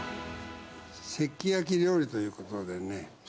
石器焼料理ということでね。